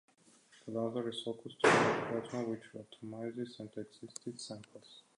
The laser is focused to form a plasma, which atomizes and excites samples.